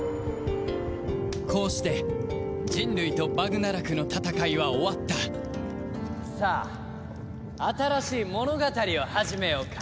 こうして人類とバグナラクの戦いは終わったさあ新しい物語を始めようか。